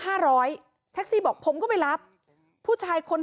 มีเรื่องอะไรมาคุยกันรับได้ทุกอย่าง